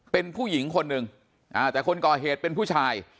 เป็นผู้หญิงคนหนึ่งแต่คนก่อเหตุเป็นผู้ชาย